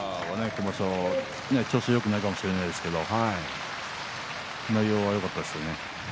今場所、調子はよくないかもしれませんけれども内容は、よかったですね。